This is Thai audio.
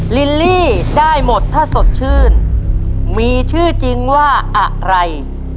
ลิลลี่ได้หมดถ้าสดชื่นมีชื่อจริงว่าอะไร